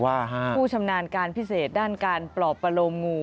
ผู้ชำนาญการพิเศษด้านการปลอบประโลงู